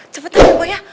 cepet aja boy ya